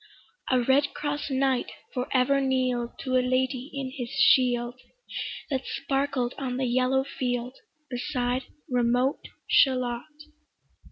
A redcross knight for ever kneel'd To a lady in his shield, That sparkled on the yellow field, Beside remote Shalott.